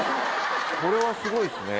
これはすごいっすね。